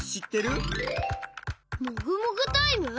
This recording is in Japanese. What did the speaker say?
もぐもぐタイム？